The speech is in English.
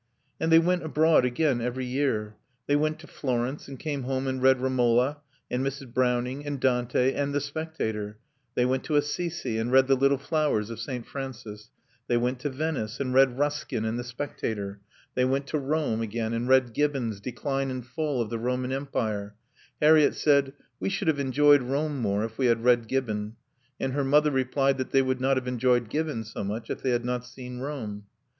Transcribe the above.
And they went abroad again every year. They went to Florence and came home and read Romola and Mrs. Browning and Dante and The Spectator; they went to Assisi and read the Little Flowers of Saint Francis; they went to Venice and read Ruskin and The Spectator; they went to Rome again and read Gibbon's Decline and Fall of the Roman Empire. Harriett said, "We should have enjoyed Rome more if we had read Gibbon," and her mother replied that they would not have enjoyed Gibbon so much if they had not seen Rome.